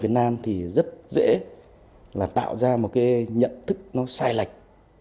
việt nam thì rất dễ là tạo ra một cái nhận thức nó sai lệch